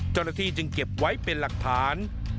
จนที่จึงเก็บไว้เป็นหลักฐาน